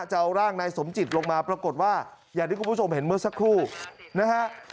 จะเอาร่างนายสมจิตลงมาปรากฏว่าอย่างที่คุณผู้ชมเห็นเมื่อสักครู่นะฮะ